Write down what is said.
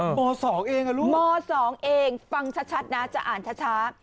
ม๒เองอ่ะลูกม๒เองฟังชัดนะจะอ่านช้า